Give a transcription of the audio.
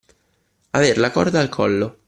Aver la corda al collo.